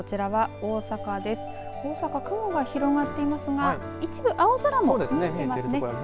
大阪、雲が広がっていますが一部青空も見えてますね。